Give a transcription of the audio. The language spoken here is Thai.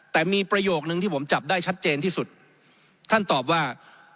แต่มีประโยคนึงที่ผมจับได้ชัดเจนที่สุดท่านตอบว่า